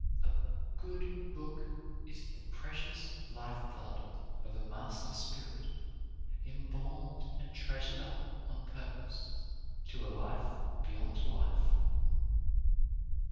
A good Booke is the pretious life blood of a master spirit, imbalm'd and treasur'd up on purpose to a Life beyond Life."